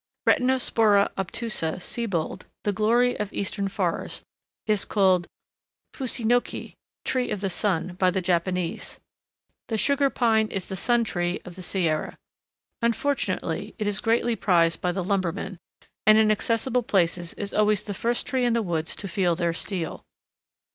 Retinospora obtusa, Siebold, the glory of Eastern forests, is called "Fu si no ki" (tree of the sun) by the Japanese; the Sugar Pine is the sun tree of the Sierra. Unfortunately it is greatly prized by the lumbermen, and in accessible places is always the first tree in the woods to feel their steel.